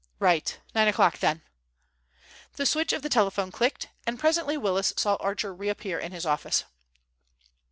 "Right. Nine o'clock, then." The switch of the telephone clicked, and presently Willis saw Archer reappear in his office.